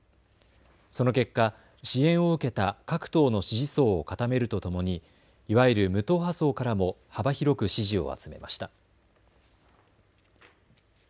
その結果、支援を受けた各党の支持層を固めるとともにいわゆる無党派層からも幅広く支持を集めました。